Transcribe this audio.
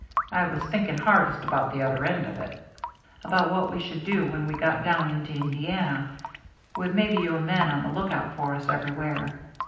f waif thinking hardest about the other end r/f it — about what we should do when we got down into Indiana, with maybe your men on the lookout for us everywhere.